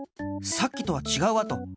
さっきとはちがうあと！